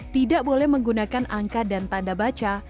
tidak boleh menggunakan angka dan tanda baca